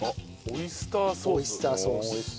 オイスターソース。